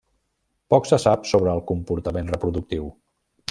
Poc se sap sobre el comportament reproductiu.